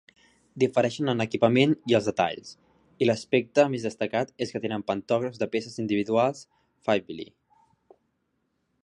Difereixen en equipament i els detalls, i l'aspecte més destacat és que tenen pantògrafs de peces individuals Faiveley.